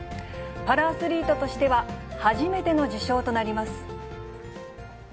パラアスリートとしては初めての受賞となります。